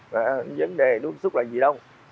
vấn đề bức xúc là gì đâu